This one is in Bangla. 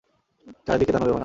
চারদিকে দানবে ভরা।